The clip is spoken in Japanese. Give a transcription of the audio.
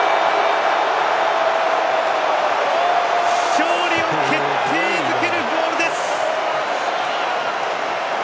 勝利を決定付けるゴールです！